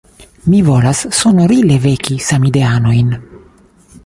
Mi volas sonorile veki samideanojn!